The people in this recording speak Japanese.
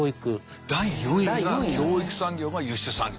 第４位が教育産業輸出産業。